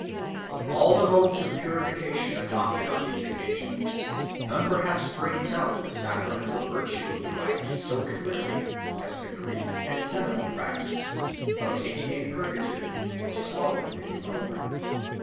Of all the modes of purification adopted on these occasions none perhaps brings out the sacramental virtue of the rite so clearly as the Creek and Seminole practice of taking a purgative before swallowing the new corn.